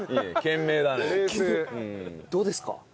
どうですか？